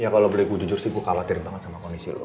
ya kalau gue jujur sih goal aku antar banget sama kondisi lo